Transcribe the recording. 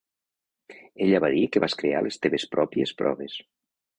Ella va dir que vas crear les teves pròpies proves.